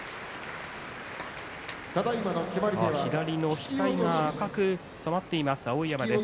左の額が赤く染まっています碧山です。